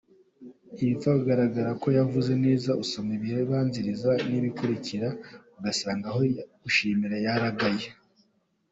Ibipfa kugaragara ko yavuze neza, usoma ibibibanziriza n’ibibikurikira ugasanga aho gushima yaragaye.